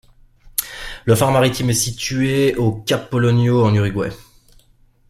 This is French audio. Le phare maritime est situé au cap Polonio en Uruguay.